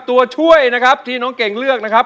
ตัวช่วยนะครับที่น้องเก่งเลือกนะครับ